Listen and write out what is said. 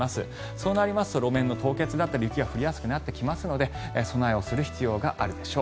そうなりますと路面の凍結だったり雪が降りやすくなったりしますので備えをする必要があるでしょう。